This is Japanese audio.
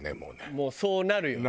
もうそうなるよね。